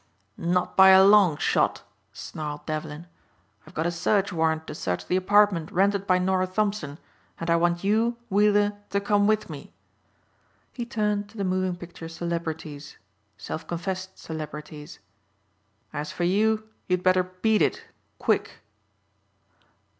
"Not by a long shot," snarled Devlin, "I've got a search warrant to search the apartment rented by Norah Thompson and I want you, Weiller, to come with me." He turned to the moving picture celebrities self confessed celebrities "as for you, you'd better beat it quick."